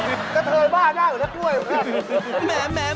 แต่เธอบ้างมากน้ากล้วย